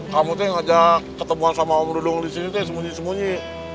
kamu tuh ngajak ketemuan sama om dudung disini tuh sembunyi sembunyi